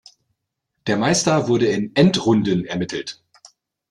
Der Meister wurde in Endrunden ermittelt.